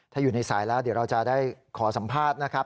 ถ้าอยู่ในสายแล้วเดี๋ยวเราจะได้ขอสัมภาษณ์นะครับ